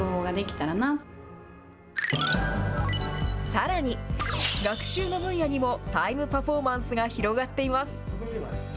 さらに、学習の分野にもタイムパフォーマンスが広がっています。